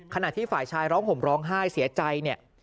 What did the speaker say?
ขณะที่ฝ่ายชายร้องห่มร้องไห้เสียใจเนี่ย